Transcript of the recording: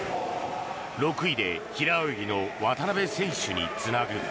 ６位で平泳ぎの渡部選手につなぐ。